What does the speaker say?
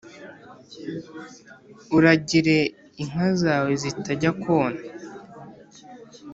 Uragire inka zawe zitajya kona